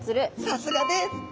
さすがです！